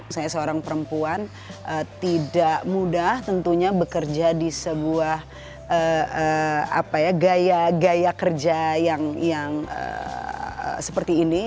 saya seorang perempuan tidak mudah tentunya bekerja di sebuah gaya gaya kerja yang seperti ini